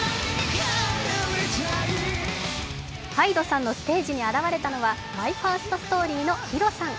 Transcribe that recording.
ＨＹＤＥさんのステージに現れたのはＭＹＦＩＲＳＴＳＴＯＲＹのＨｉｒｏさん。